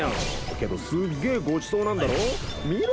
けどすっげえごちそうなんだろ？